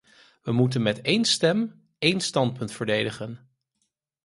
We moeten met één stem één standpunt verdedigen.